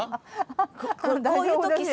こういう時さ